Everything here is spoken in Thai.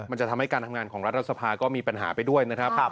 มันจะทำให้การทำงานของรัฐสภาก็มีปัญหาไปด้วยนะครับ